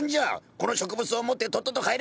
この植物を持ってとっとと帰れ！